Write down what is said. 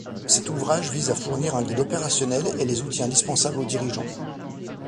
Cet ouvrage vise à fournir un guide opérationnel et les outils indispensables aux dirigeants.